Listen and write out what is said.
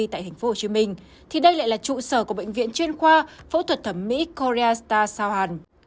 tại tp hcm thì đây lại là trụ sở của bệnh viện chuyên khoa phẫu thuật thẩm mỹ coresta sao hàn